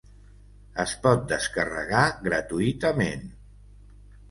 Es pot descarregar gratuïtament.